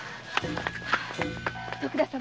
徳田様